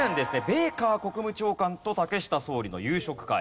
ベーカー国務長官と竹下総理の夕食会。